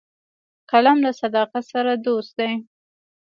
قلم له صداقت سره دوست دی